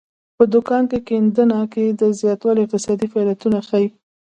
په کان کیندنه کې زیاتوالی اقتصادي فعالیتونه ښيي